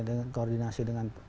dengan koordinasi dengan